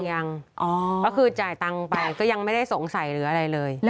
ก็คือจ่ายตังค์ไปก็ยังไม่ได้สงสัยหรืออะไรเลย